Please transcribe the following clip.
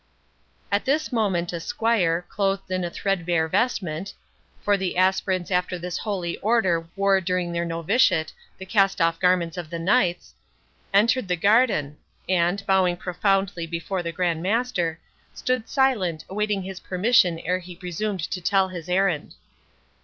At this moment a squire, clothed in a threadbare vestment, (for the aspirants after this holy Order wore during their noviciate the cast off garments of the knights,) entered the garden, and, bowing profoundly before the Grand Master, stood silent, awaiting his permission ere he presumed to tell his errand.